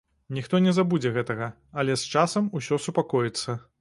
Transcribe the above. Ніхто не забудзе гэта, але з часам усё супакоіцца.